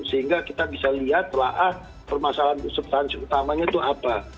sehingga kita bisa lihat laah permasalahan utamanya itu apa